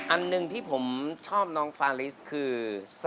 อันหนึ่งที่ผมชอบน้องฟาลิสคือ